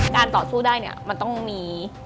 การต่อสู้ได้มันต้องมี